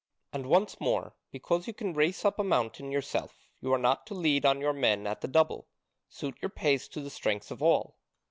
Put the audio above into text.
And once more, because you can race up a mountain yourself you are not to lead on your men at the double; suit your pace to the strength of all.